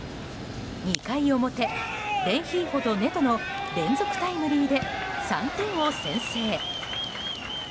２回表、レンヒーフォとネトの連続タイムリーで３点を先制。